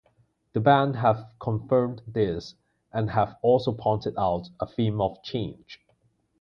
The band have confirmed this, and have also pointed out a theme of change.